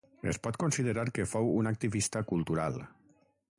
Es pot considerar que fou un activista cultural.